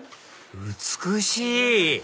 美しい！